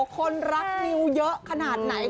คนรักนิวเยอะขนาดไหน